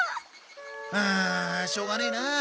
ああしょうがねえなあ。